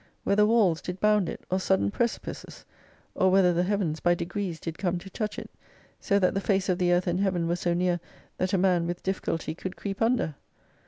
Whether walls did bound it, or sudden precipices? Or whether the Heavens by degrees did come to touch it ; so that the face of the Earth and Heaven were so near, that a man with difficulty could creep under?